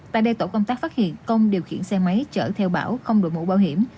tại đây tổ công tác phát hiện công điều khiển xe máy chở theo bảo không đội mũ bảo hiểm